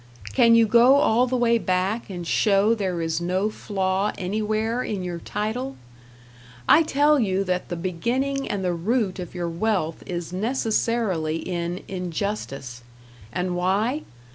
Can you go all the way back and show there is no flaw anywhere in your title? I tell you that the beginning and the root of your wealth is necessarily in injustice. And why?